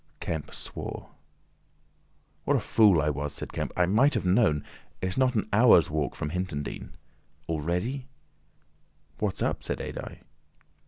Kemp swore. "What a fool I was," said Kemp. "I might have known. It's not an hour's walk from Hintondean. Already?" "What's up?" said Adye.